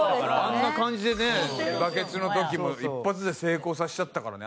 あんな感じでねバケツの時も一発で成功させちゃったからね。